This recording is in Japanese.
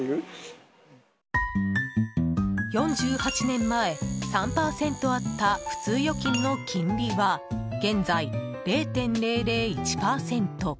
４８年前３％あった普通預金の金利は現在、０．００１％。